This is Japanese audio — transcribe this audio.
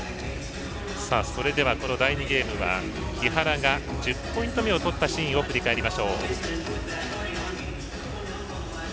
それでは第２ゲームは木原が１０ポイント目を取ったシーンを振り返ります。